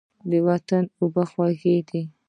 د وطن اوبه خوږې دي.